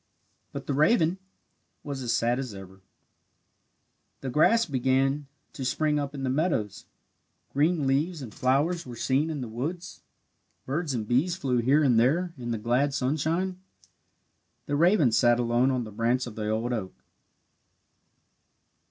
But the raven was as sad as ever. The grass began to spring up in the meadows. Green leaves and flowers were seen in the woods. Birds and bees flew here and there in the glad sunshine. The raven sat alone on the branch of the old oak.